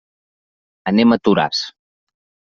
Anem a Toràs.